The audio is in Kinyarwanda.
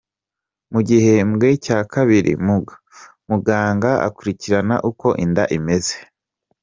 Mu gihembwe cya kabiri muganga akurikirana uko inda imeze.